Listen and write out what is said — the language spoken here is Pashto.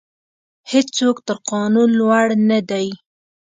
هیڅوک تر قانون لوړ نه دی.